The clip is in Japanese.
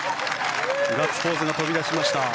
ガッツポーズが飛び出しました。